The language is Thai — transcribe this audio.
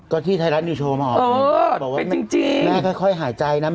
ก็ที่ไทยรัฐนิวโชว์มาออกบอกว่าแม่ค่อยหายใจนะ